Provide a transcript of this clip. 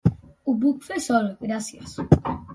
Ho puc fer sol, gràcies.